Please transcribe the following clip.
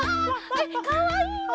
えっかわいいね！